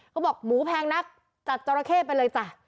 เขาบอกหมูแพงนักจัดจอราเข้ไปเลยจ้ะ